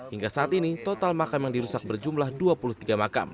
hingga saat ini total makam yang dirusak berjumlah dua puluh tiga makam